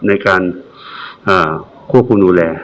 ในการควบคุมดูแล